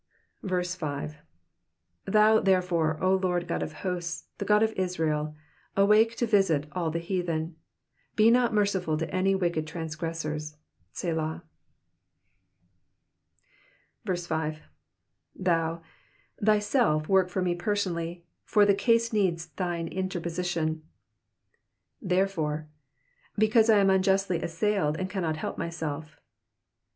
Digitized by VjOOQIC PSALM THE FIFTY NINTH. 77 5 Thou therefore, O Lord God of hosts, the God of Israel, awake to visit all the heathen : be not merciful to any wicked transgressors. Selah, 6. 77t^n/," thyself, work for me personally, for the case needs thine interpo sition. ''^Therefore^^^ because I am unjustly ussailed, and cannot help myself.